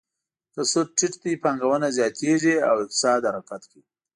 که سود ټیټ وي، پانګونه زیاتیږي او اقتصاد حرکت کوي.